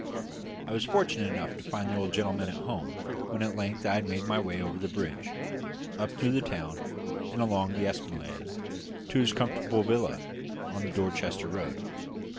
I was fortunate enough to find the old gentleman at home when at length I had made my way over the bridge, up through the town, and along the esplanade, to his comfortable villa on the Dorchester road.